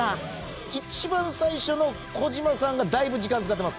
一番最初の児嶋さんがだいぶ時間使ってます。